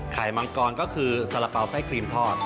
มังกรก็คือสาระเป๋าไส้ครีมทอด